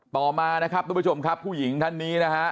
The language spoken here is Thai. ต่อมานะครับทุกผู้ชมครับผู้หญิงท่านนี้นะฮะ